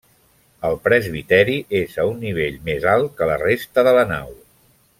El presbiteri és a un nivell més alt que la resta de la nau.